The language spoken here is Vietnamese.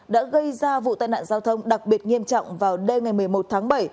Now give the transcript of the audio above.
đã gây ra vụ tai nạn giao thông đặc biệt nghiêm trọng vào đêm ngày một mươi một tháng bảy